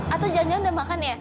atau jangan jangan udah makan ya